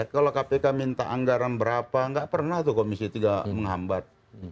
kalau kpk minta anggaran berapa nggak pernah tuh komisi tiga menghambat